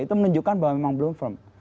itu menunjukkan bahwa memang belum firm